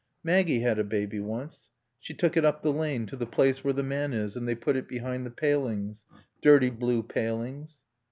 "Maggie had a baby once. She took it up the lane to the place where the man is; and they put it behind the palings. Dirty blue palings.